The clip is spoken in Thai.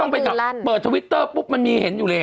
เข้าแฮดแท็กอะไรหรอ